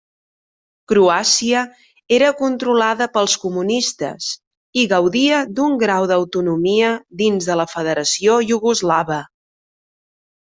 Croàcia era controlada pels comunistes i gaudia d'un grau d'autonomia dins de la federació iugoslava.